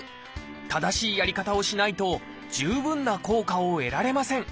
正しいやり方をしないと十分な効果を得られません。